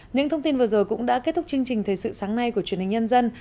những thông tin vừa rồi cũng đã kết thúc chương trình thời sự sáng nay của truyền hình nhân dân